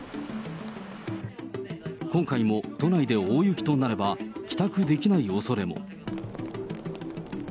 今回も都内で大雪となれば、帰宅できないおそれも。